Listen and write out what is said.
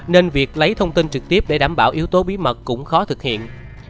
nên việc lấy thông tin trực tiếp để đảm bảo yếu tố bí mật cũng khó thực hiện